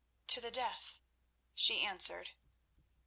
"To the death," she answered.